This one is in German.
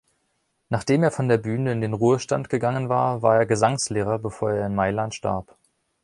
Nachdem er von der Bühne in den Ruhestand gegangen war, war er Gesangslehrer, bevor er in Mailand starb.